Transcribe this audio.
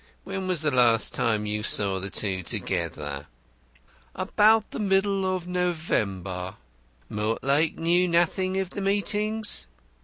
When was the last time you saw the two together?" "About the middle of November." "Mortlake knew nothing of the meetings?"